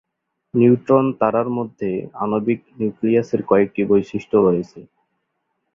Neutron তারার মধ্যে আণবিক নিউক্লিয়াসের কয়েকটি বৈশিষ্ট্য রয়েছে।